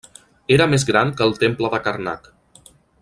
Era més gran que el temple de Karnak.